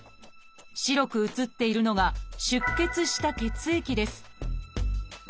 白く写っているのが出血した血液です